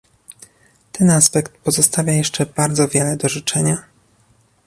Ten aspekt pozostawia jeszcze bardzo wiele do życzenia